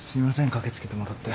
駆け付けてもらって。